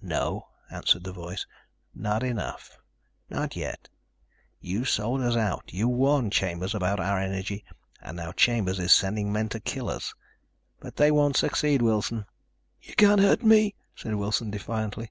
"No," answered the voice, "not enough. Not yet. You sold us out. You warned Chambers about our energy and now Chambers is sending men to kill us. But they won't succeed, Wilson." "You can't hurt me," said Wilson defiantly.